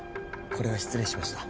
これは失礼しました。